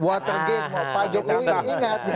watergate pak jokowi ingat